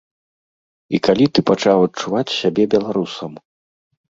І калі ты пачаў адчуваць сябе беларусам?